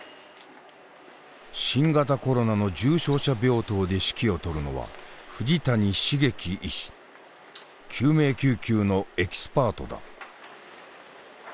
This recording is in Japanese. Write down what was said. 新型コロナの重症者病棟で指揮を執るのは救命救急のエキスパートだ。